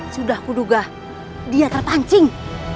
sudah kuduga dia terpancing